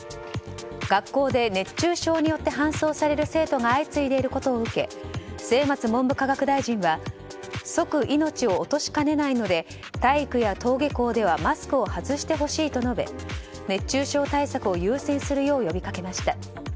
学校で熱中症により搬送される生徒が相次いでいることを受け末松文部科学大臣は即、命を落としかねないので体育や登下校ではマスクを外してほしいと述べ熱中症対策を優先するよう呼びかけました。